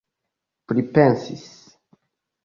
pripensis